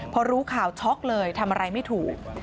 พอรู้ข่าวช็อกเลยทำอะไรไม่ถูก